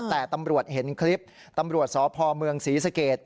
แต่ตำรวจเห็นคลิปตำรวจสพเมืองศรีสเกต